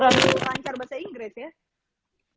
lancar bahasa inggris ya